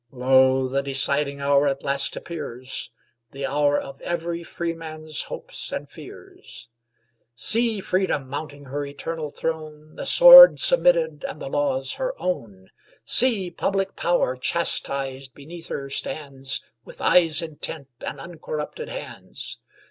Lo! the deciding hour at last appears; The hour of every freeman's hopes and fears! See Freedom mounting her eternal throne, The sword submitted, and the laws her own! See! public Power, chastised, beneath her stands, With eyes intent, and uncorrupted hands!